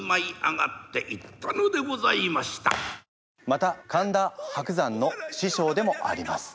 また神田伯山の師匠でもあります。